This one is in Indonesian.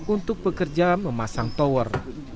untuk pekerja memasang tower